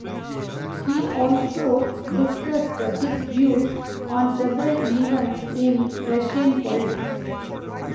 He also discussed his views on several events in Russian politics.